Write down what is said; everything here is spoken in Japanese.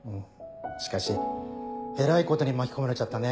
しかしえらいことに巻き込まれちゃったね